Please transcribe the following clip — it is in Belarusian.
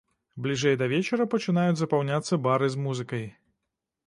Бліжэй да вечара пачынаюць запаўняцца бары з музыкай.